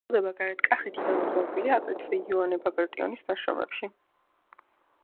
სახელწოდება გარეთ კახეთი დამოწმებულია, აგრეთვე იოანე ბაგრატიონის შრომებში.